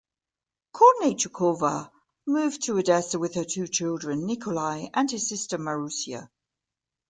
Korneychukova moved to Odessa with her two children, Nikolay and his sister Marussia.